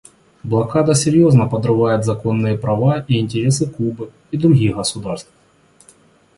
Блокада серьезно подрывает законные права и интересы Кубы и других государств.